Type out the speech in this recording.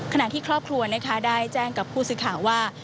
ขณะที่ครอบครัวได้แจ้งกับผู้สึกข่าวว่า